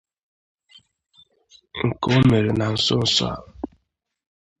nke o mere na nsonso a